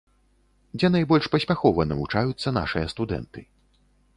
Дзе найбольш паспяхова навучаюцца нашыя студэнты?